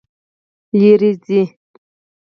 لیرې ځئ